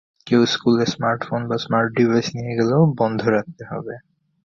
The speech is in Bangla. কেউ স্কুলে স্মার্টফোন বা স্মার্ট ডিভাইস নিয়ে গেলেও বন্ধ রাখতে হবে।